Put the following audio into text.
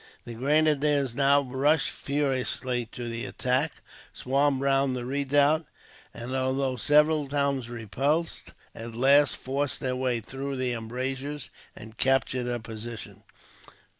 The grenadiers now rushed furiously to the attack, swarmed round the redoubt and, although several times repulsed, at last forced their way through the embrasures and captured the position.